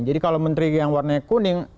jadi kalau menteri yang warnanya kuning